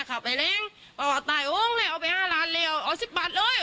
เขาไปแรงป่าว่าตายโอ้งเลยเอาไปห้าร้านเลยเอาสิบบาทเลย